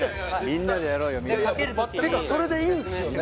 みんなてかそれでいいんですよね？